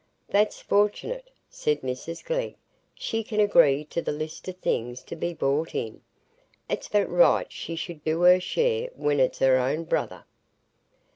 "That's fortunate," said Mrs Glegg. "She can agree to the list o' things to be bought in. It's but right she should do her share when it's her own brother."